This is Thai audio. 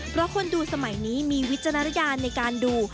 เพราะคนดูสมัยนี้มีวิจารณญาณในการดู